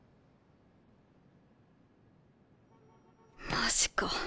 マジか。